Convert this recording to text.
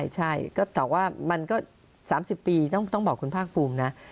ใช่ก็ตอบว่ามันก็๓๐ปีต้องบอกคุณภาคภูมินะ